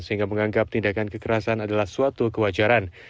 sehingga menganggap tindakan kekerasan adalah suatu kewajaran